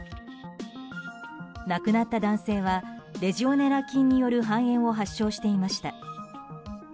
亡くなった男性はレジオネラ菌による肺炎を発症していました。